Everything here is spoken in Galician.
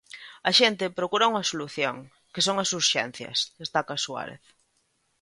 A xente procura unha solución, que son as Urxencias, destaca Suárez.